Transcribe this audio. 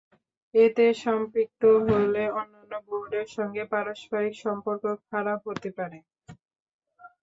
এতে সম্পৃক্ত হলে অন্যান্য বোর্ডের সঙ্গে পারস্পরিক সম্পর্ক খারাপ হতে পারে।